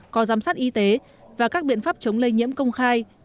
có giám sát y tế và các biện pháp chống lây nhiễm công khai